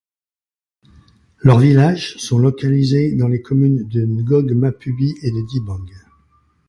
Leurs villages sont localisés dans les communes de Ngog-Mapubi et de Dibang.